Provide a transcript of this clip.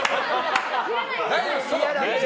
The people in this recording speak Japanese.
大丈夫です！